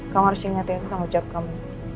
kamu harus ingetin aku kan ucap kamu